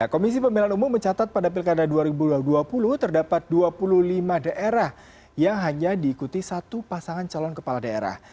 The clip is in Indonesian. komisi pemilihan umum mencatat pada pilkada dua ribu dua puluh terdapat dua puluh lima daerah yang hanya diikuti satu pasangan calon kepala daerah